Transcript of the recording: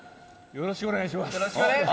よろしくお願いします！